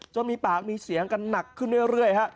มีปากมีเสียงกันหนักขึ้นเรื่อยฮะ